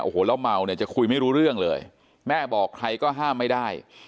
โอ้โหแล้วเมาเนี่ยจะคุยไม่รู้เรื่องเลยแม่บอกใครก็ห้ามไม่ได้